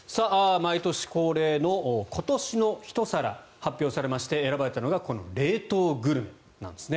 毎年恒例の今年の一皿発表されまして選ばれたのがこの冷凍グルメなんですね。